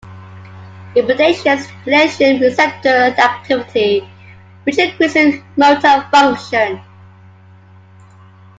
It potentiates glycine receptor activity, which decreases motor function.